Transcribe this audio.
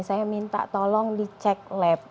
saya minta tolong dicek lab